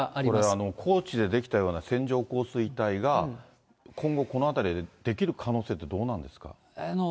これ、高知で出来たような線状降水帯が、今後この辺りで出来る可能性ってどうなんですか？